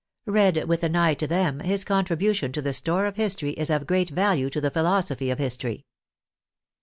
Read with an eye to them, his contribution to the store of history is of great value to the philosophy of history.